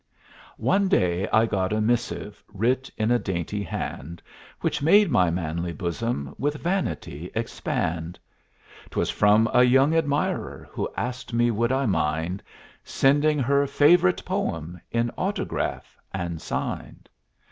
One day I got a missive Writ in a dainty hand, Which made my manly bosom With vanity expand. 'T was from a "young admirer" Who asked me would I mind Sending her "favorite poem" "In autograph, and signed."